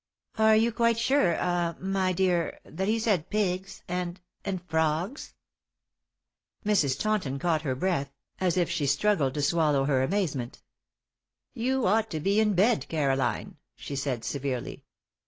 "Are you quite sure ah my dear that he said pigs and and frogs?" Mrs. Taunton caught her breath, as if she struggled to swallow her amazement. "You ought to be in bed, Caroline," she said, severely.